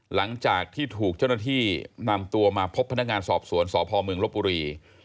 หลังจากที่ถูกเจ้าหน้าที่นำตัวมาพบพนักงานสอบสวนสพเมืองลบบุรี